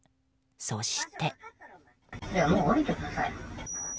そして。